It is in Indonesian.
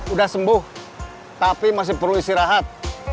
udah sembuh tapi masih perlu istirahat